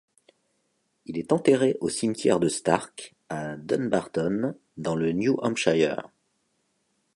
Il est enterré au cimetière de Stark à Dunbarton dans le New Hampshire.